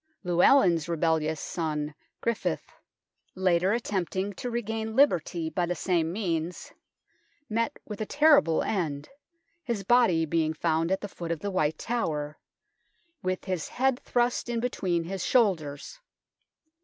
Llewelyn's rebellious son Gruffydd, later attempting to regain liberty by the same means, met with a terrible end, his body being found at the foot of the White Tower, " with his head thrust in between his shoulders."